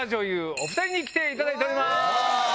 お２人に来ていただいております。